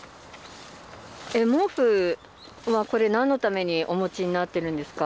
毛布は、これ、なんのためにお持ちになってるんですか？